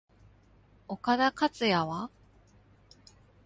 岡田克也は？